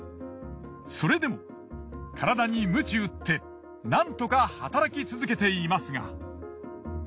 それでも体にむち打ってなんとか働き続けていますが。